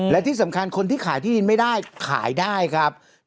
และที่สำคัญคนที่ขายที่ดินไม่ได้ขายได้ครับ